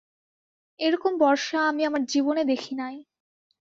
এ-রকম বর্ষা আমি আমার জীবনে দেখি নাই।